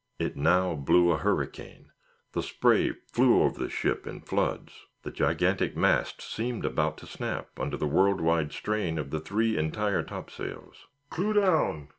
It now blew a hurricane. The spray flew over the ship in floods. The gigantic masts seemed about to snap under the world wide strain of the three entire topsails. "Clew down!